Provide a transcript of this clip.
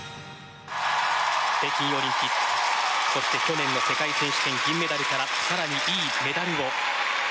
北京オリンピックそして去年の世界選手権銀メダルからさらにいいメダルを。